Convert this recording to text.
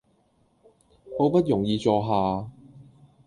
好不容易坐下